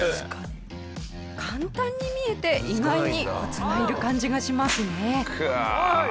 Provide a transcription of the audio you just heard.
簡単に見えて意外にコツがいる感じがしますね。